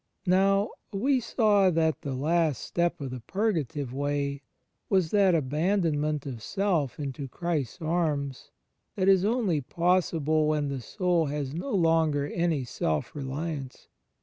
Now we saw that the last step of the Purgative Way was that abandonment of self into Christ's arms that is only possible when the soul has no longer any self reliance.